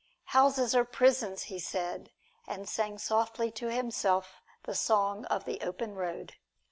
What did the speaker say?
"Houses are prisons," he said, and sang softly to himself the song of the open road.